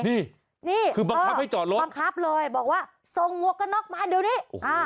นี่นี่คือบังคับให้จอดรถบังคับเลยบอกว่าส่งมวกกระน็อกมาเดี๋ยวนี้